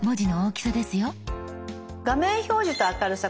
「画面表示と明るさ」